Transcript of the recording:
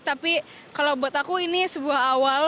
tapi kalau buat aku ini sebuah awal